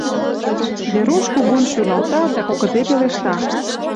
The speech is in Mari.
Веруш кугун шӱлалта да кокыте пелешта: